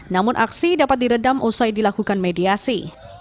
namun aksi dapat diredam usai dilakukan mediasi